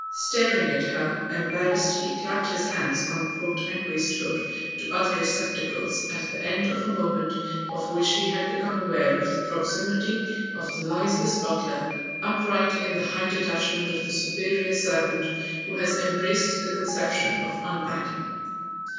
" Staring at her, embarrassed, he clapped his hands, on coat and waistcoat, to other receptacles ; at the end of a moment of which he had become aware of the proximity of the noiseless butler, upright in the high detachment of the superior servant who has embraced the conception of unpacking.